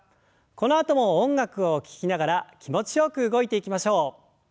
このあとも音楽を聞きながら気持ちよく動いていきましょう。